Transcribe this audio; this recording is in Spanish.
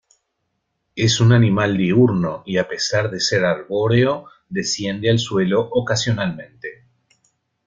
Es un animal diurno y a pesar de ser arbóreo desciende al suelo ocasionalmente.